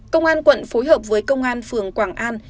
công an quận phối hợp với công an phường quảng an